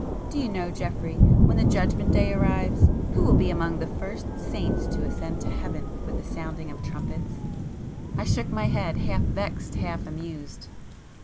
Do you know Geoffrey, when the Judgment Day arrives, who will be among the first saints to ascend to Heaven with the sounding of trumpets?" I shook my head, half vexed, half amused.